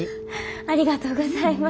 ありがとうございます。